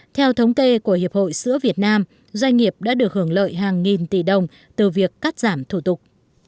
theo thống kê của hiệp hội sữa việt nam doanh nghiệp đã được hưởng lợi hàng nghìn tỷ đồng từ việc cắt giảm thủ tục